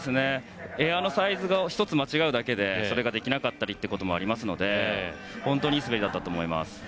エアのサイズが１つ間違うだけでそれができなかったりもありますので本当にいい滑りだったと思います。